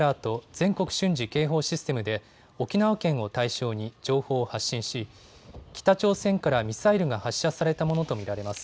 ・全国瞬時警報システムで沖縄県を対象に情報を発信し北朝鮮からミサイルが発射されたものと見られます。